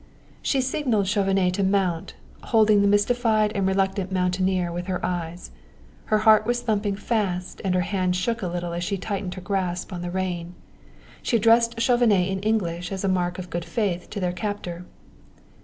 She signaled Chauvenet to mount, holding the mystified and reluctant mountaineer with her eyes. Her heart was thumping fast and her hand shook a little as she tightened her grasp on the rein. She addressed Chauvenet in English as a mark of good faith to their captor.